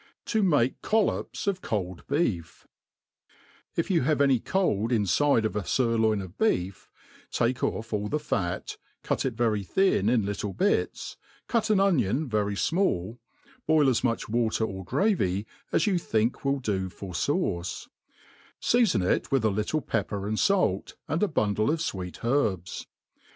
' Ta mate C$lkps of Cold Betf IF you have any cold inYide of a firloin of beef, take ofF all the fat, cut It very thin in little bits, cut an onion very fmallK boil as t)iuch Water or gravy as you thin^ will do for fauce^ feafon it with a little pepper and fait, and a buhdle of Tweet herbs.